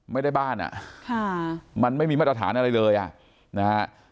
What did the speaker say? ไม่ได้บ้านอ่ะค่ะมันไม่มีมาตรฐานอะไรเลยอ่ะนะฮะ